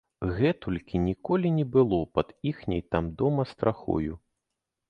Гэтулькі ніколі не было пад іхняй там, дома, страхою.